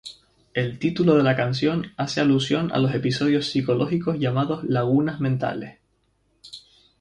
El título de la canción hace alusión a los episodios psicológicos llamados Lagunas mentales.